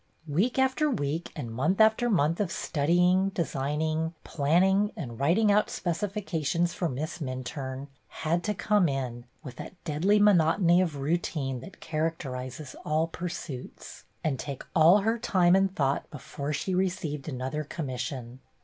Week after week and month after month of studying, design ing, planning, and writing out specifications MANY A TRUE WORD 15 for Miss Minturne, had to come in, with that deadly monotony of routine that characterizes all pursuits, and take all her time and thought before she received another commission.